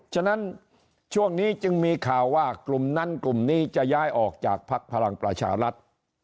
ฉะนั้นช่วงนี้จึงมีข่าวว่ากลุ่มนั้นกลุ่มนี้จะย้ายออกจากภักดิ์พลังประชารัฐ